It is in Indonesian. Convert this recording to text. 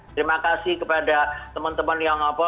terima kasih kepada teman teman yang apa